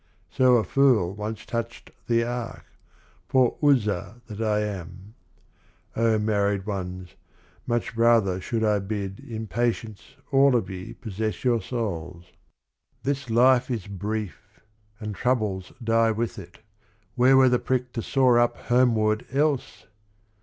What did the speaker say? So a fool Once touched the ark, — poor Uzzah that I am 1 Oh married ones, much rather should I bid In patience all of ye possess your souls ! This life is brief and troubles die with it : Where were the prick to soar up homeward else?